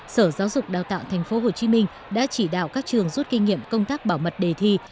sở giáo dục đào tạo tp hcm đã chỉ đạo các trường rút kinh nghiệm công tác bảo mật đề thi